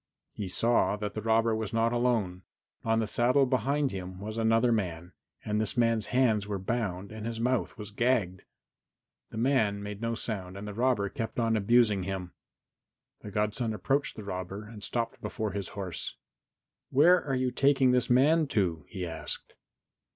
He saw that the robber was not alone. On the saddle, behind him, was another man, and this man's hands were bound and his mouth was gagged. The man made no sound and the robber kept on abusing him. The godson approached the robber and stopped before his horse. "Where are you taking this man to?" he asked.